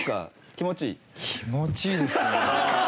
気持ちいいですね。